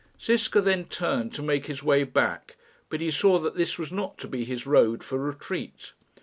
Ziska then turned to make his way back, but he saw that this was not to be his road for retreat.